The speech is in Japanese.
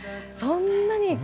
そんなに。